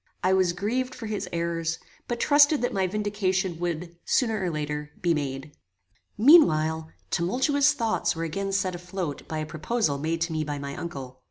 I was grieved for his errors, but trusted that my vindication would, sooner or later, be made. Meanwhile, tumultuous thoughts were again set afloat by a proposal made to me by my uncle.